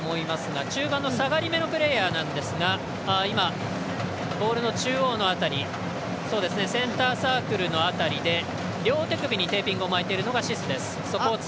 中盤の下がりめのプレーヤーなんですがセンターサークルの辺りで両手首にテーピングを巻いてるのがシスです。